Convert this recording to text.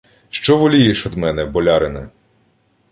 — Що волієш од мене, болярине?